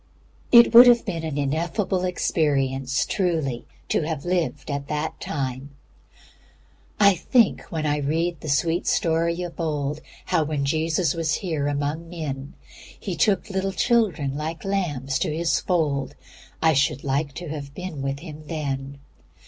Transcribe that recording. It would have been an ineffable experience truly to have lived at that time "I think when I read the sweet story of old, How when Jesus was here among men, He took little children like lambs to His fold, I should like to have been with Him then.